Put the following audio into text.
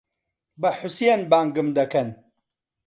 بە حوسێن بانگم دەکەن.